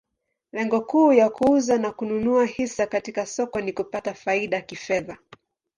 Lengo kuu ya kuuza na kununua hisa katika soko ni kupata faida kifedha.